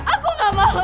aku gak mau